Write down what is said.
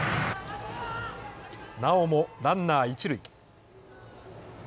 なおもランナー一塁。